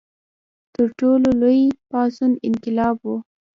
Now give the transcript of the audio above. تر ټولو لوی پاڅون انقلاب و.